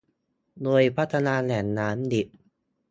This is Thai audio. โดยพัฒนาแหล่งน้ำดิบ